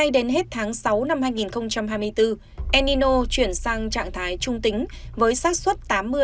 đến hết tháng sáu năm hai nghìn hai mươi bốn enino chuyển sang trạng thái trung tính với sát xuất tám mươi tám mươi năm